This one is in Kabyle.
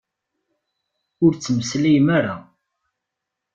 Ur ttmeslayem ara!